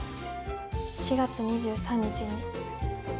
４月２３日に。